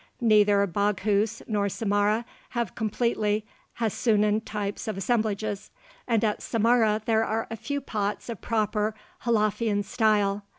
Neither Baghouz nor Samarra have completely Hassunan types of assemblages, and at Samarra there are a few pots of proper Halafian style.